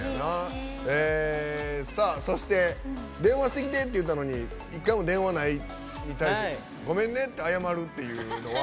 電話してきてって言ったのに１回も電話ないに対してごめんねって謝るっていうのは。